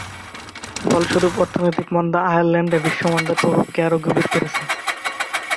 ফলস্বরূপ অর্থনৈতিক মন্দা আয়ারল্যান্ডে বিশ্ব মন্দার প্রভাবকে আরও গভীর করেছে।